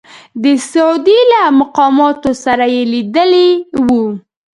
د سعودي له مقاماتو سره یې لیدلي وو.